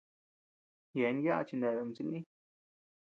Yeabean yaʼa chineabea ama silï.